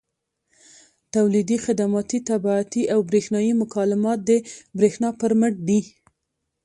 تولیدي، خدماتي، طباعتي او برېښنایي مکالمات د برېښنا پر مټ دي.